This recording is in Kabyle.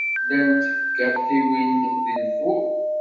Llant tgaṭiwin deg lfur.